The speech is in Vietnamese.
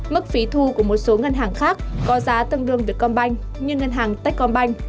mức phí thu của một số ngân hàng khác có giá tương đương vietcombank như ngân hàng techcombank